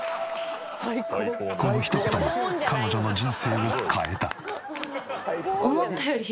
この一言が彼女の人生を変えた。